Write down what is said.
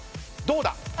どうだ？